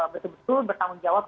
betul betul bertanggung jawab